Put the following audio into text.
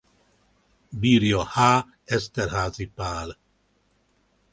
Birja h. Eszterházy Pál.